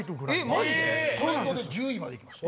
１０位まで行きました。